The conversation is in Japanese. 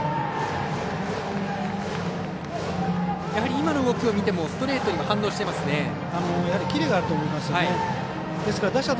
今の動きを見てもストレートに反応していますね。